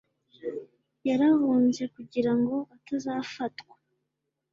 Yarahunze kugira ngo atazafatwa.